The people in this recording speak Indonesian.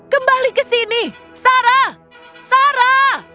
kembali ke sini sarah sarah